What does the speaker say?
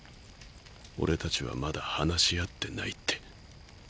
「俺たちはまだ話し合ってない」って。